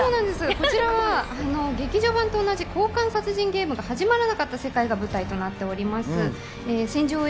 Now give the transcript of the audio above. こちらは劇場版と同じ交換殺人ゲームが始まらなかった世界が舞台となっております。